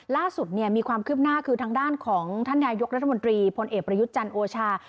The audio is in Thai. ล่าสุดมีความคืบหน้าคือทางด้านของท่านนายกรัฐมนตรีพลเอกประยุทธ์จันทร์โอชา